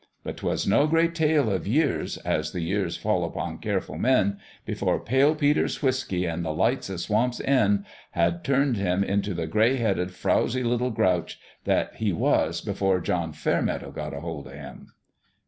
But 'twas no great tale of years, as the years fall upon careful men, before Pale Peter's whiskey an' the lights o' Swamp's End had turned him into the gray headed, frowzy little grouch that he was before John Fairmeadow got hold of him.